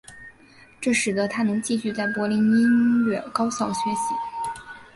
这使得他能继续在柏林音乐高校学习。